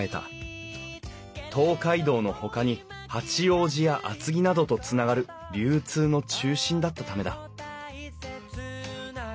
東海道のほかに八王子や厚木などとつながる流通の中心だったためだ